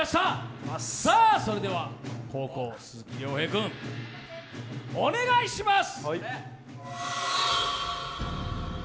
それでは後攻、鈴木亮平君お願いします！